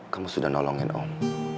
kamu sudah nolongin om